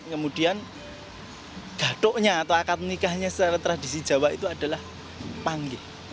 kemudian gadoknya atau akad nikahnya secara tradisi jawa itu adalah panggih